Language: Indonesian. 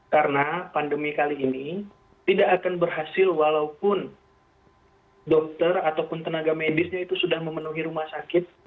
karena pandemi kali ini tidak akan berhasil walaupun dokter ataupun tenaga medisnya itu sudah memenuhi rumah sakit